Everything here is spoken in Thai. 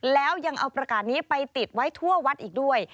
แล้วยังเอาประกาศนี้ไปติดไว้ทั่ววัดอีกด้วย